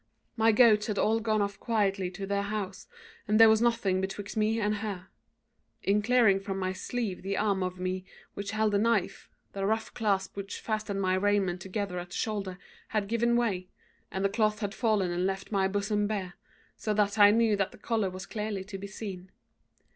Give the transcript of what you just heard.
My goats had all gone off quietly to their house, and there was nothing betwixt me and her. In clearing from my sleeve the arm of me which held the knife, the rough clasp which fastened my raiment together at the shoulder had given way, and the cloth had fallen and left my bosom bare, so that I knew that the collar was clearly to be seen.